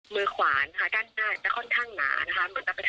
ขวานค่ะด้านหน้าจะค่อนข้างหนานะคะ